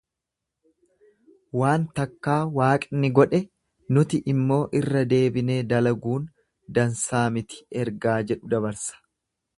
Waan takka Waaqni godhe nuti immoo irra deebinee dalaguun dansaa miti ergaa jedhu dabarsa.